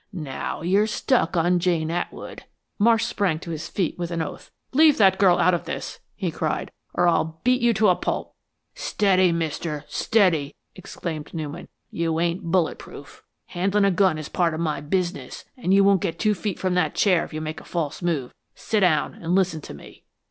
Now, you're stuck on Jane Atwood." Marsh sprang to his feet with an oath. "Leave that girl out of this," he cried, "or I'll beat you to a pulp!" "Steady, Mister, steady!" exclaimed Newman. "You ain't bullet proof. Handlin' a gun is part of my business, and you won't get two feet from that chair if you make a false move. Sit down and listen to me."